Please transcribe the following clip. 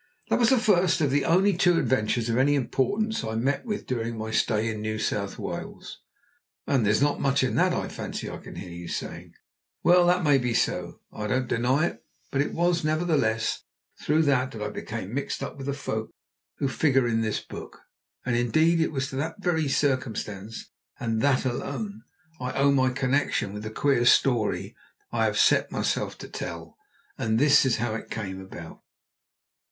That was the first of the only two adventures of any importance I met with during my stay in New South Wales. And there's not much in that, I fancy I can hear you saying. Well, that may be so, I don't deny it, but it was nevertheless through that that I became mixed up with the folk who figure in this book, and indeed it was to that very circumstance, and that alone, I owe my connection with the queer story I have set myself to tell. And this is how it came about.